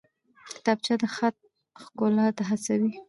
کتابچه د خط ښکلا ته هڅوي